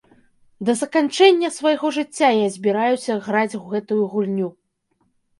Да заканчэння свайго жыцця я збіраюся граць у гэтую гульню!